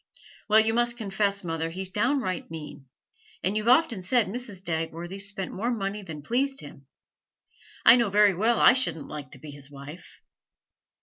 'Well, you must confess, mother, he's downright mean; and you've often enough said Mrs. Dagworthy spent more money than pleased him. I know very well I shouldn't like to be his wife.'